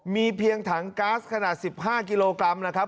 มีเพียงถังก๊าซขนาด๑๕กิโลกรัมนะครับ